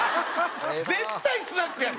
絶対スナックやから！